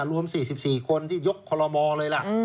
รวม๔๔คนที่ยกคอลโลมอเลยล่ะ